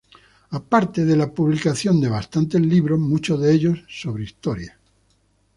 A parte de la publicación de bastantes libros, muchos de ellos sobre historia.